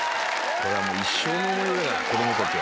これはもう一生の思い出だよ子どもたちは。